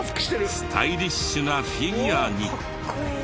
スタイリッシュなフィギュアに。